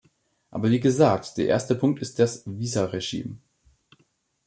Aber wie gesagt, der erste Punkt ist das Visaregime.